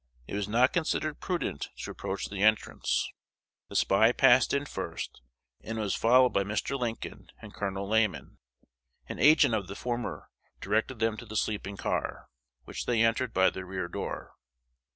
It was not considered prudent to approach the entrance. The spy passed in first, and was followed by Mr. Lincoln and Col. Lamon. An agent of the former directed them to the sleeping car, which they entered by the rear door.